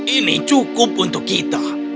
ini cukup untuk kita